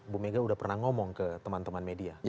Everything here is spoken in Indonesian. bu mega udah pernah ngomong ke teman teman media